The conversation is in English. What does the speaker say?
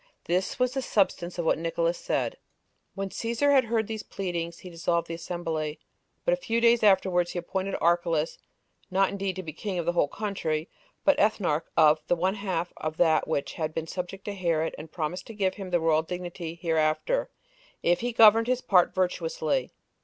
This was the substance of what Nicolaus said. 4. When Cæsar had heard these pleadings, he dissolved the assembly; but a few days afterwards he appointed Archelaus, not indeed to be king of the whole country, but ethnarch of the one half of that which had been subject to Herod, and promised to give him the royal dignity hereafter, if he governed his part virtuously.